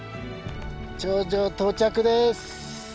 頂上到着です。